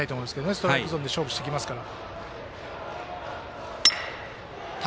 ストライクゾーンで勝負してきますから。